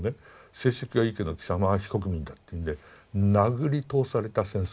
成績はいいけど貴様は非国民だっていうんで殴り通された戦争中。